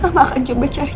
tapi nano keceram pi